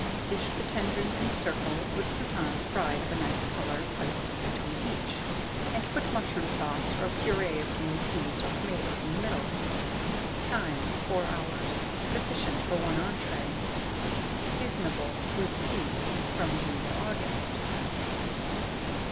Dish the tendrons in a circle, with croûtons fried of a nice colour placed between each; and put mushroom sauce, or a purée of green peas or tomatoes, in the middle. Time. 4 hours. Sufficient for one entrée. Seasonable. With peas, from June to August.